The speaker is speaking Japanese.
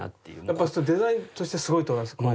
やっぱりデザインとしてすごいと思いますか？